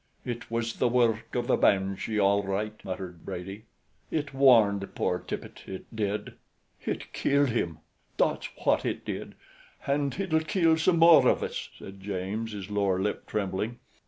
"It was the work of the banshee all right," muttered Brady. "It warned poor Tippet, it did." "Hit killed him, that's wot hit did, hand hit'll kill some more of us," said James, his lower lip trembling.